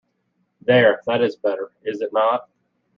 There, that is better, is it not?